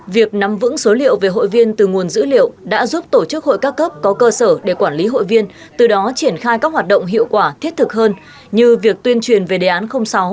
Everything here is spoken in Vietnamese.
việc nắm vững số liệu về hội viên từ nguồn dữ liệu đã giúp tổ chức hội ca cấp có cơ sở để quản lý hội viên từ đó triển khai các hoạt động hiệu quả thiết thực hơn như việc tuyên truyền về đề án sáu